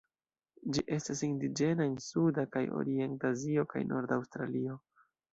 Ĝi estas indiĝena en suda kaj orienta Azio kaj norda Aŭstralio.